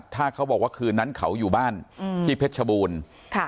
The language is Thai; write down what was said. ถ้าเขาบอกว่าคืนนั้นเขาอยู่บ้านอืมที่เพชรชบูรณ์ค่ะ